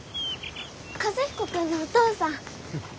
和彦君のお父さん。